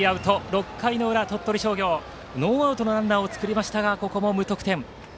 ６回の裏、鳥取商業ノーアウトのランナーを作りましたがここも無得点。